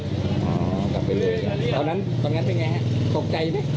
ตอนนั้นเป็นยังไงฮะตกใจไหม